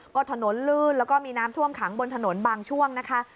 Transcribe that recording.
ก็ถนนลื่นแล้วก็มีน้ำท่วมขังบนถนนบางช่วงนะคะ